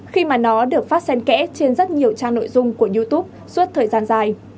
khi mà nó được phát sen kẽ trên rất nhiều trang nội dung của youtube suốt thời gian dài